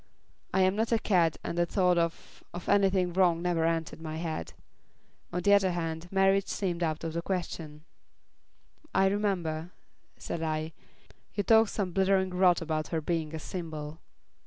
I am not a cad and the thought of of anything wrong never entered my head. On the other hand, marriage seemed out of the question." "I remember," said I, "you talked some blithering rot about her being a symbol."